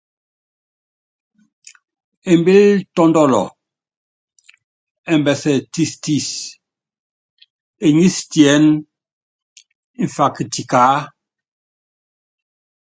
Embíl tɔ́ndɔlɔ ɛmbɛsɛ tistis, eŋís tiɛ́nɛ́ mfak tikaá.